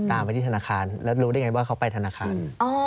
ไปที่ธนาคารแล้วรู้ได้ไงว่าเขาไปธนาคาร